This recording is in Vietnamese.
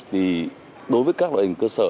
thì đối với các loại hình cơ sở